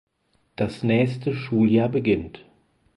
Das nächste Schuljahr beginnt.